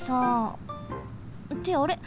ってあれ？